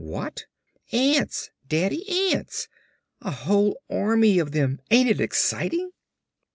"What?" "Ants, Daddy, ants! A whole army of them. Ain't it exciting?"